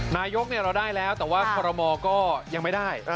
นายกเราได้แล้วแต่ว่าคอรมอก็ยังไม่ได้